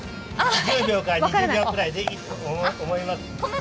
１０秒か２０秒くらいでいいと思います。